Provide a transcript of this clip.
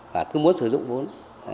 và cứ muốn sử dụng vốn